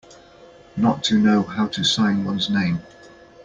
Not to know how to sign one's name.